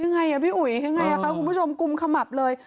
ยังไงอ่ะพี่อุ๋ยยังไงคะคุณผู้ชมกุมขมับเลย